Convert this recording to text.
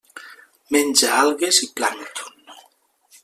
Menja algues i plàncton.